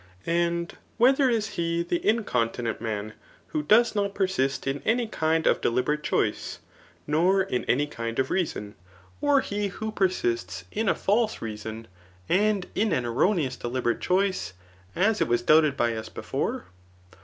And whe ther is he the incontinent man, who does not persist in any kind of deliberate choice, nor in any kmd of reason, or he who persists in a false reason, and in an erroneous, deliberate choice, as it was doubted by us before